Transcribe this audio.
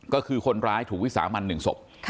ก็คือคนร้ายถูกวิสามัน๑ศพ